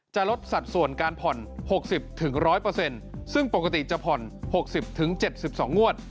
จะลดสัดส่วนการผ่อนหกสิบถึงร้อยเปอร์เซ็นต์ซึ่งปกติจะผ่อนหกสิบถึงเจ็ดสิบสองงวด